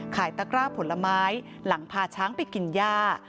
ตะกร้าผลไม้หลังพาช้างไปกินย่า